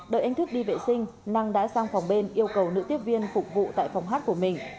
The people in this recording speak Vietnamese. đợi anh thức đi vệ sinh năng đã sang phòng bên yêu cầu nữ tiếp viên phục vụ tại phòng hát của mình